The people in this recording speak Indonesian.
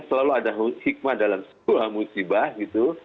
selalu ada hikmah dalam sebuah musibah gitu